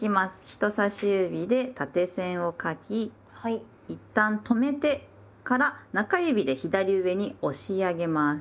人さし指で縦線を書きいったん止めてから中指で左上に押し上げます。